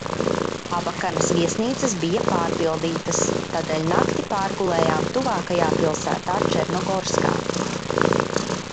Abakanas viesnīcas bija pārpildītas, tādēļ nakti pārgulējām tuvākajā pilsētā Černogorskā.